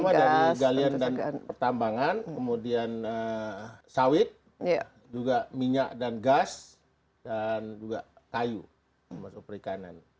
sama dari galian dan pertambangan kemudian sawit juga minyak dan gas dan juga kayu termasuk perikanan